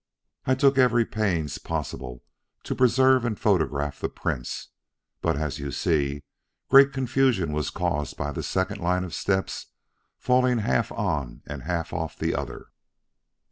I took every pains possible to preserve and photograph the prints, but as you see, great confusion was caused by the second line of steps falling half on and half off the other.